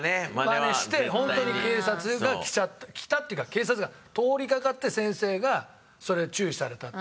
マネして本当に警察が来ちゃった来たっていうか警察が通りかかって先生がそれ注意されたって。